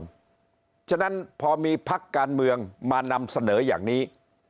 เพราะฉะนั้นพอมีพักการเมืองมานำเสนออย่างนี้